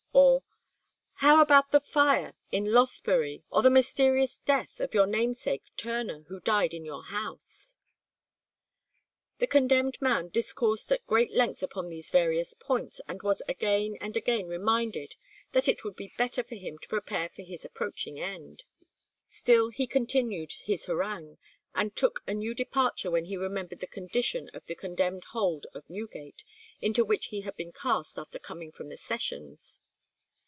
or "How about the fire in Lothbury, or the mysterious death of your namesake Turner, who died in your house?" The condemned man discoursed at great length upon these various points, and was again and again reminded that it would be better for him to prepare for his approaching end. Still he continued his harangue and took a new departure when he remembered the condition of the condemned hold of Newgate, into which he had been cast after coming from the sessions.